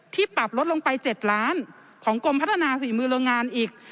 ปรับลดลงไป๗ล้านของกรมพัฒนาฝีมือโรงงานอีก